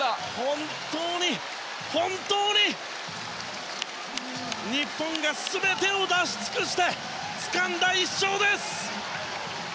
本当に本当に日本が全てを出し尽くしてつかんだ１勝です！